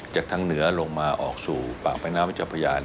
จากทางเหนือลงมาออกสู่ปากแม่น้ำเจ้าพญาน